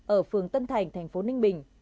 ở phường tân thành thành phố ninh bình